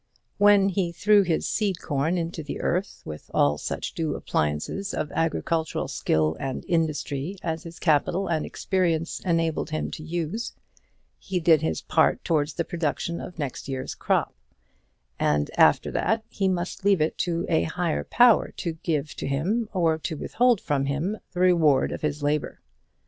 When he threw his seed corn into the earth with all such due appliances of agricultural skill and industry as his capital and experience enabled him to use, he did his part towards the production of next year's crop; and after that he must leave it to a higher Power to give to him, or to withhold from him, the reward of his labour.